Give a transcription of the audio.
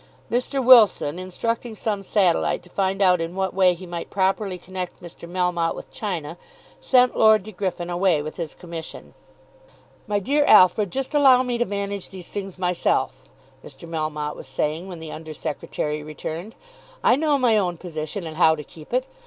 Mr. Wilson, instructing some satellite to find out in what way he might properly connect Mr. Melmotte with China, sent Lord De Griffin away with his commission. "My dear Alfred, just allow me to manage these things myself," Mr. Melmotte was saying when the under secretary returned. "I know my own position and how to keep it.